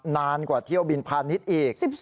นานกว่าเที่ยวบินพาณิชย์อีก